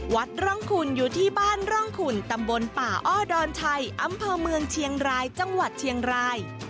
วัดร่องขุนอยู่ที่บ้านร่องขุนตำบลป่าอ้อดอนชัยอำเภอเมืองเชียงรายจังหวัดเชียงราย